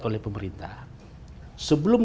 oleh pemerintah sebelum